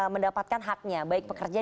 mendapatkan haknya baik pekerja